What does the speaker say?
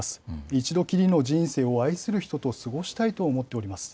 一度きりの人生を愛する人と過ごしたいと思っております。